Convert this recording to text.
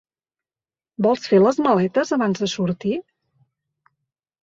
Vols fer les maletes abans de sortir?